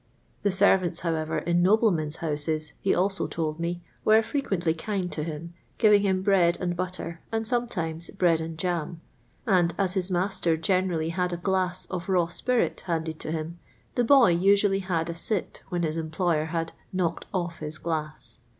The servants, however, in noblemen's houses, he also told me, were frequently kind to him, giving him bread and butter, and sometimei bread and jam ; and as his master generally bad a glass of raw spirit handed to him, the boy usually had a sip when his employer had *' knocked off his glass."